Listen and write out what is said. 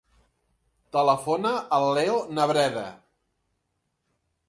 Telefona al Leo Nebreda.